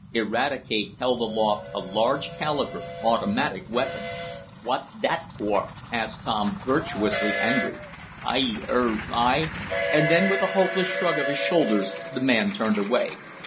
Eradicate held aloft a large calibre, automatic weapon. "What's that for?" asked Tom, virtuously angry. "I er I " and then, with a hopeless shrug of his shoulders the man turned away.